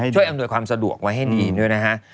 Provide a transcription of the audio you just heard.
อำนวยความสะดวกไว้ให้ดีด้วยนะฮะ